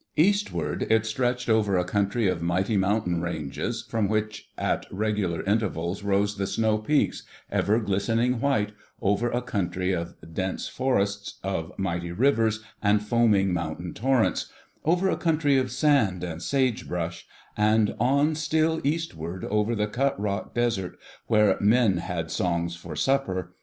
Eastward it stretched over a country of mighty mountain ranges from which at regular intervals rose the snow peaks, ever glistening white, over a country of dense forests, of mighty rivers and foaming mountain torrents, over a country of sand and sagebrush, and on still eastward over the cut rock desert where "men had songs for ^^ijppjsr*?'